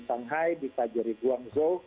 shanghai di kjri guangzhou